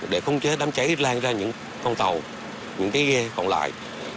để khung chế đám cháy lan ra những con tàu những cái ghe còn lại